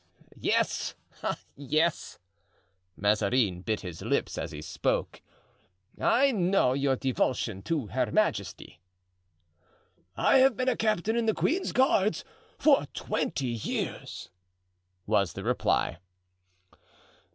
"Yes! ah yes!" Mazarin bit his lips as he spoke; "I know your devotion to her majesty." "I have been a captain in the queen's guards for twenty years," was the reply.